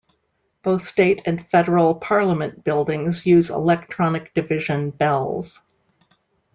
Both State and Federal Parliament buildings use electronic division bells.